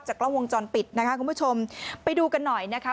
กล้องวงจรปิดนะคะคุณผู้ชมไปดูกันหน่อยนะคะ